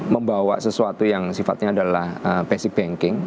membawa sesuatu yang sifatnya adalah basic banking